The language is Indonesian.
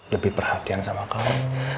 lebih perhatian sama kamu